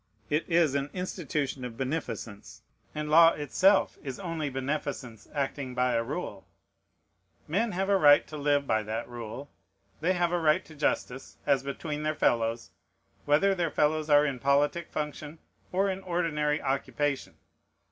It is an institution of beneficence; and law itself is only beneficence acting by a rule. Men have a right to live by that rule; they have a right to justice, as between their fellows, whether their fellows are in politic function or in ordinary occupation.